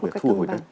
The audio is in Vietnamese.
về thu hồi đất